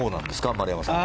丸山さん。